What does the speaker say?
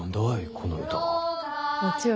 この歌は。